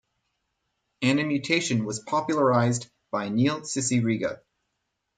Animutation was popularized by Neil Cicierega.